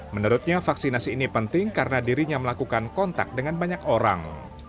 menurutnya vaksinasi ini penting karena dirinya melakukan kontak dengan banyak orang